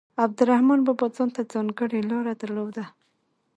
عبدالرحمان بابا ځانته ځانګړې لاره درلوده.